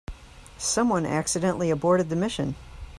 Someone accidentally aborted the mission.